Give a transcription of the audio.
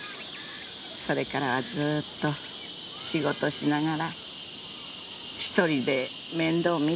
それからはずーっと仕事しながら１人で面倒見てくれてるんです。